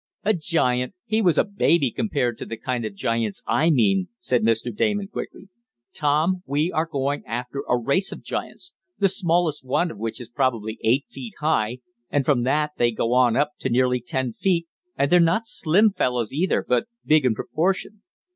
"A giant! He was a baby compared to the kind of giants I mean," said Mr. Damon quickly. "Tom, we are going after a race of giants, the smallest one of which is probably eight feet high, and from that they go on up to nearly ten feet, and they're not slim fellows either, but big in proportion.